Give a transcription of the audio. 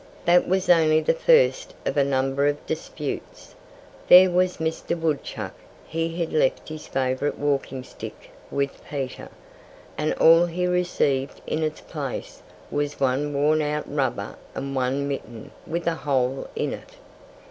That was only the first of a number of disputes. There was Mr. Woodchuck he had left his favorite walking stick with Peter; and all he received in its place was one worn out rubber and one mitten with a hole in it.